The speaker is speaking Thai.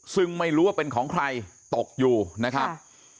ซึ่งไม่รู้ว่าเป็นของใครตกอยู่นะครับ